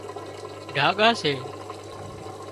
ڍاڳا سي